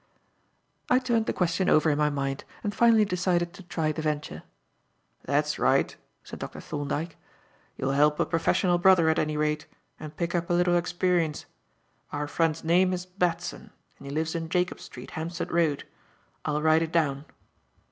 I turned the question over in my mind and finally decided to try the venture. "That's right," said Dr. Thorndyke. "You'll help a professional brother, at any rate, and pick up a little experience. Our friend's name is Batson, and he lives in Jacob Street, Hampstead Road. I'll write it down."